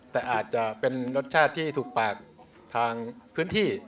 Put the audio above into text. แต่อาจจะเป็นรสชาติที่ถูกปากทางพื้นที่